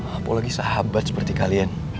apalagi sahabat seperti kalian